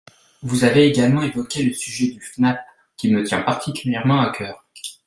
Vous avez également évoqué le sujet du FNAP, qui me tient particulièrement à cœur.